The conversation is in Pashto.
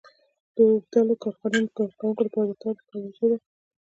د اوبدلو د کارخونې د کارکوونکو لپاره تار د کار موضوع ده.